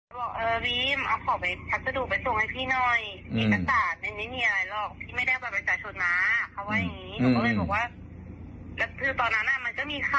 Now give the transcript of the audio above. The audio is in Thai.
บอกเออวีมเอาของไปพัสดุไปส่งให้พี่หน่อยเอกสารไม่มีอะไรหรอก